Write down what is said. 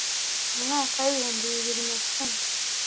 mu mwaka w ibihumbi bibiri na cumi